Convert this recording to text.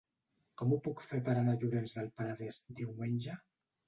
Com ho puc fer per anar a Llorenç del Penedès diumenge?